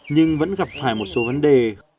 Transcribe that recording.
nhưng vẫn gặp phải một số vấn đề